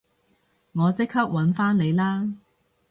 我即刻搵返你啦